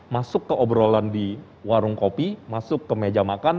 masuk ke obrolan di warung kopi masuk ke meja makan